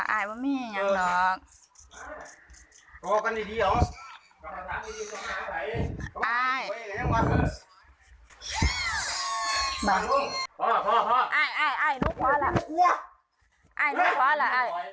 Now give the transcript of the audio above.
ไอ้นกว้าล่ะ